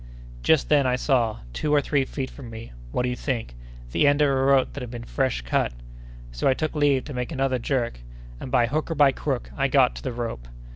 Just then, I saw—two or three feet from me—what do you think? the end of a rope that had been fresh cut; so I took leave to make another jerk, and, by hook or by crook, I got to the rope.